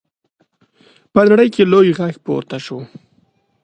په نړۍ کې یې لوی غږ پورته شو.